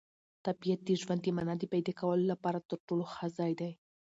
طبیعت د ژوند د مانا د پیدا کولو لپاره تر ټولو ښه ځای دی.